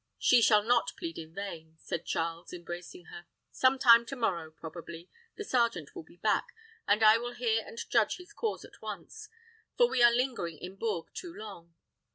"She shall not plead in vain," said Charles embracing her. "Some time to morrow probably, the sergeant will be back, and I will hear and judge his cause at once, for we are lingering in Bourges too long.